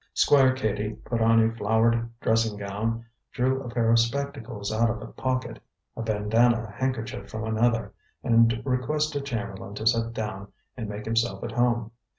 Squire Cady put on a flowered dressing gown, drew a pair of spectacles out of a pocket, a bandana handkerchief from another, and requested Chamberlain to sit down and make himself at home.